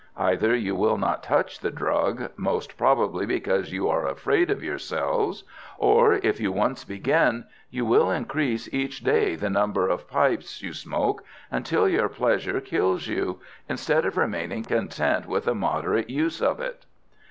Either you will not touch the drug most probably because you are afraid of yourselves or, if you once begin, you will increase each day the number of pipes you smoke, until your pleasure kills you, instead of remaining content with a moderate use of it."